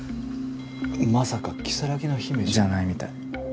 まさか如月の姫じゃ。じゃないみたい。